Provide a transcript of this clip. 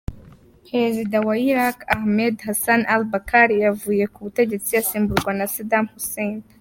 Perezida wa Irak Ahmed Hassan al-Bakr yavuye ku butegetsi, asimburwa na Saddam Hussein.